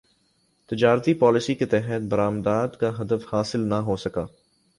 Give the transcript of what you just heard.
تجارتی پالیسی کے تحت برامدات کا ہدف حاصل نہ ہوسکا